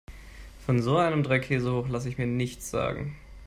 Von so einem Dreikäsehoch lasse ich mir nichts sagen.